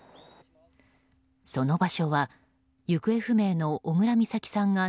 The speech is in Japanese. その場所は行方不明の小倉美咲さんが